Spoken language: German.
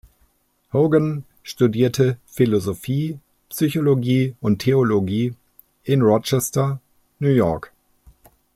Hogan studierte Philosophie, Psychologie und Theologie in Rochester, New York.